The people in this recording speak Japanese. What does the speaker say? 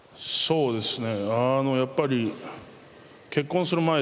そうですか。